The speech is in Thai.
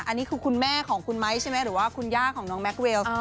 อันนี้คือคุณแม่ของคุณไม้ใช่ไหมหรือว่าคุณย่าของน้องแม็กเวล